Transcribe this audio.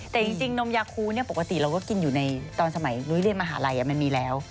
แต่จริงนมยาคูปกติเราก็กินอยู่ในตอนสมัยนุ้ยเรียนมหาลัยมันมีแล้ว